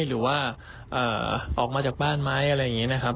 หรือว่าออกมาจากบ้านไหมอะไรอย่างนี้นะครับ